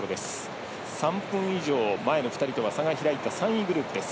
３分以上前とは差が開いた３位グループです。